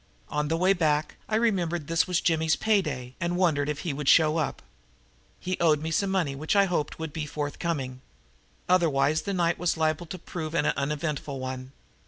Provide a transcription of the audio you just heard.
On the way back I remembered this was Jimmy's pay day and wondered if he would show up. He owed me some money which I hoped would be forthcoming. Otherwise the night was liable to prove an uneventful one.